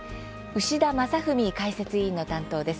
牛田正史解説委員の担当です。